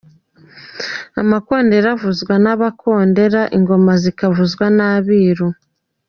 Amakondera avuzwa n’Abakondera, Ingoma zikavuzwa n’Abiru.